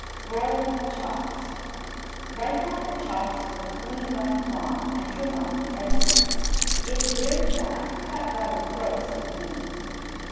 Broiled Chops Wipe off the chops with a clean wet cloth and trim off the edges; if very fat cut rather close to the meat.